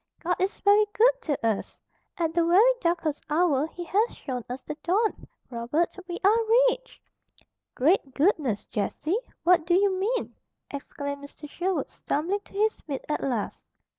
"God is very good to us. At the very darkest hour He has shown us the dawn. Robert, we are rich!" "Great goodness, Jessie! What do you mean? Exclaimed Mr. Sherwood, stumbling to his feet at last.